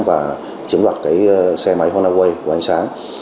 và chiếm đoạt cái xe máy honda way của ánh sáng